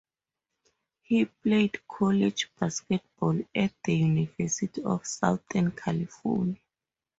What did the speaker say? He played college basketball at the University of Southern California.